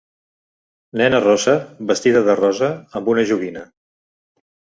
Nena rossa vestida de rosa amb una joguina.